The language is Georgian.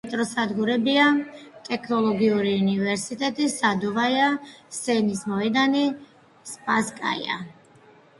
უახლოესი მეტროსადგურებია „ტექნოლოგიური უნივერსიტეტი“, „სადოვაია“, „სენის მოედანი“, „სპასკაია“.